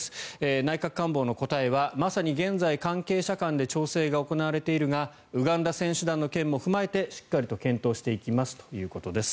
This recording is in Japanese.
内閣官房の答えはまさに現在関係者間で調整が行われているがウガンダ選手団の件も踏まえてしっかりと検討していきますということです。